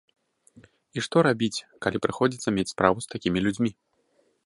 І што рабіць, калі прыходзіцца мець справу з такімі людзьмі?